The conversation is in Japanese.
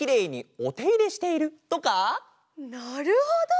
なるほど！